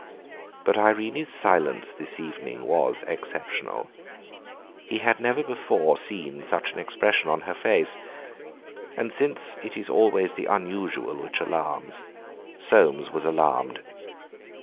But Irene's silence this evening was exceptional. He had never before seen such an expression on her face. And since it is always the unusual which alarms, Soames was alarmed.